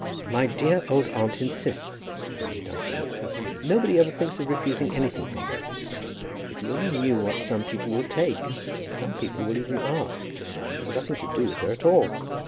"My dear old aunt insists," said Emily Dunstable. "Nobody ever thinks of refusing anything from her. If you only knew what some people will take, and some people will even ask, who have nothing to do with her at all!"